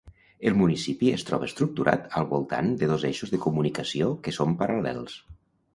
El municipi es troba estructurat al voltant de dos eixos de comunicació que són paral·lels.